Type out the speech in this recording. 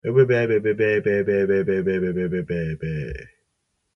For the first time I am now free to be myself.